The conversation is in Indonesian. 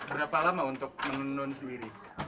berapa lama untuk menenun sendiri